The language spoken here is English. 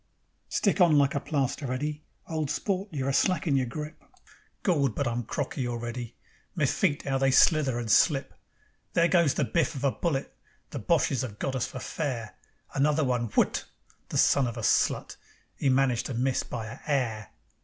"Stick on like a plaster, Eddy. Old sport, you're a slackin' your grip." Gord! But I'm crocky already; My feet, 'ow they slither and slip! There goes the biff of a bullet. The Boches have got us for fair. Another one WHUT! The son of a slut! 'E managed to miss by a 'air.